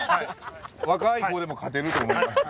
若い子でも勝てると思います。